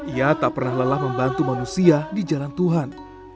ia tak pernah lelah membantu manusia di jalan tuhan